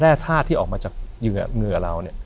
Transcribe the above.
และธาตุที่ออกมาจากเหงื่อเรา